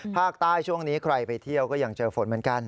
ภาคใต้ช่วงนี้ใครไปเที่ยวก็ยังเจอฝนเหมือนกัน